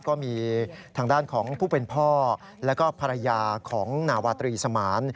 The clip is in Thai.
ก็มีทางด้านของผู้เป็นพ่อแล้วก็ภรรยาของนาวาตรีสมาน